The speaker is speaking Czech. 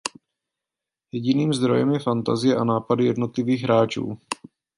Jediným zdrojem je fantazie a nápady jednotlivých hráčů.